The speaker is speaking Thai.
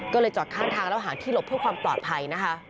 ก็เลยจอดข้างทางแล้วหาที่หลบเพื่อความปลอดภัยนะคะ